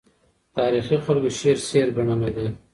تاریخي خلکو شعر سحر ګڼلی دی.